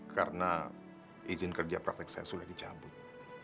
karena izin kerja praktek saya sudah dicabut